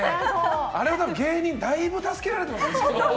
あれは芸人大分助けられてますよ。